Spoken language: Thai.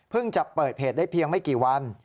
จะเปิดเพจได้เพียงไม่กี่วัน